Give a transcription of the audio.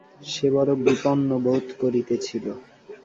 সে বড় বিপন্নবোধ করিতেছিল।